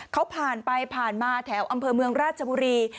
เขาผ่านไปผ่านมาแถวอำเภอเมืองราชบุรี